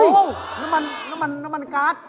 ทำอะไรน่ะทำบ่อนน้ำมันครับ